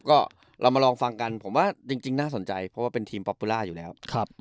ก็เรามาลองฟังกันผมว่าจริงน่าสนใจเพราะว่าเป็นทีมป๊อปปุล่าอยู่แล้ว